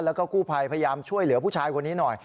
แล้วก็กู้ภัยพยายามช่วยเหลือผู้ชายคนนี้หน่อย